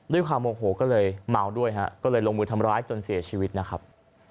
ด้วยความโอโหก็เลยเมาด้วยฮะก็เลยลงมือทำร้ายจนเสียชีวิตนะครับ